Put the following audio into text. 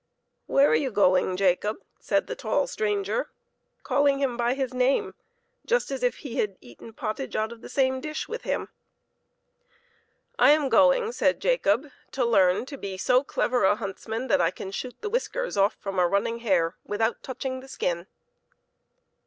"Where are you going, Jacob?" said the tall stranger, calling him by his name, just as if he had eaten pottage out of the same dish with him. PEPPER AND SALT. " I am. .going/' said Jacob, " to learn to be so clever a huntsman that I can shoot the whisk : eYs ; 6ft 1 'from* a ''running hare without touching the skin."